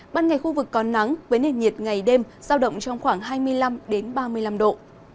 ban ngày khu vực có nắng với nền nhiệt ngày đêm giao động trong khoảng hai mươi năm ba mươi năm độ